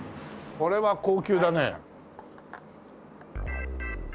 これは高級だね。